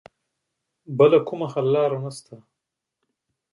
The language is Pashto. بله کومه حل لاره شته